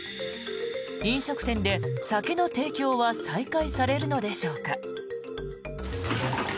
飲食店で酒の提供は再開されるのでしょうか。